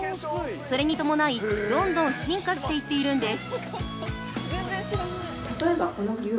それに伴い、どんどん進化していっているんです。